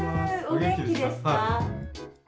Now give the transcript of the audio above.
お元気ですか？